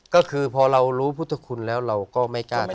ก็คือพอเรารู้พุทธคุณแล้วเราก็ไม่กล้าทำ